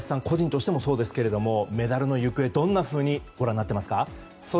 個人としてもそうですがメダルの行方はどんなふうにご覧になっていますか？